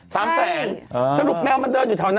สรุปแมวมันเดินอยู่เท่านั้นอ่ะ